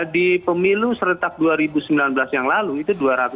di pemilu serentak dua ribu sembilan belas yang lalu itu dua ratus lima puluh